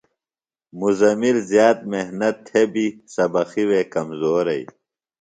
مزمل زیات محنت تھےۡ بیۡ سبقیۡ وے کمزورئی۔